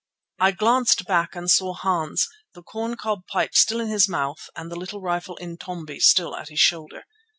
I glanced back and saw Hans, the corn cob pipe still in his mouth and the little rifle, "Intombi," still at his shoulder.